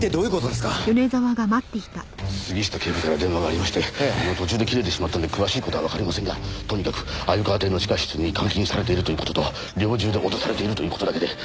でも途中で切れてしまったんで詳しい事はわかりませんがとにかく鮎川邸の地下室に監禁されているという事と猟銃で脅されているという事だけで。